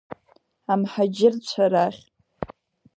Амҳаџьырцәа рахь…